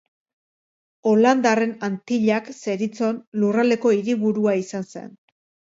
Holandarren Antillak zeritzon lurraldeko hiriburua izan zen.